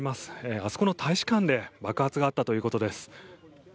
あそこの大使館で爆発があったということです。